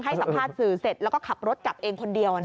สัมภาษณ์สื่อเสร็จแล้วก็ขับรถกลับเองคนเดียว